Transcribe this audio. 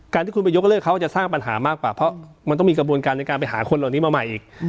ที่คุณไปยกเลิกเขาจะสร้างปัญหามากกว่าเพราะมันต้องมีกระบวนการในการไปหาคนเหล่านี้มาใหม่อีก